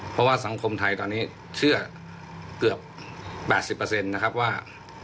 เพราะว่าสังคมไทยตอนนี้เชื่อเกือบ๘๐นะครับว่า